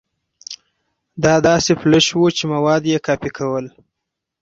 دا داسې فلش و چې مواد يې کاپي کول.